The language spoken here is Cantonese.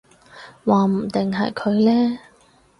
話唔定係佢呢